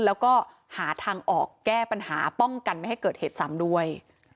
แล้วก็หาทางออกแก้ปัญหาป้องกันไม่ให้เกิดเหตุซ้ำด้วย